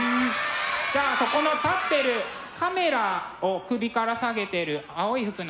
じゃあそこの立ってるカメラを首から提げてる青い服の。